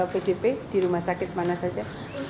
pdp di rumah sakit mana saja